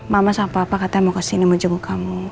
mama sama papa katanya mau kesini mau jemuk kamu